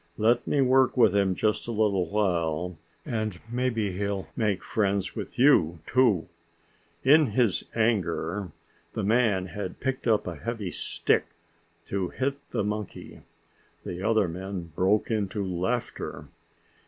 "Let me work with him just a little while, and maybe he'll make friends with you, too." In his anger the man had picked up a heavy stick to hit the monkey. The other men broke into laughter.